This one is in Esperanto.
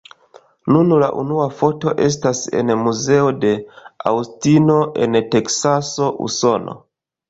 Nun la unua foto estas en muzeo de Aŭstino en Teksaso, Usono.